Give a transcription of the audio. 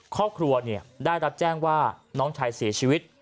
ครอบครัวได้รับแจ้งว่าน้องชายเสียชีวิต